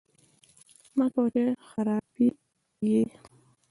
مکوه! چې خراپی یې